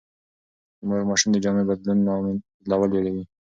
مور د ماشوم د جامو بدلول یادوي.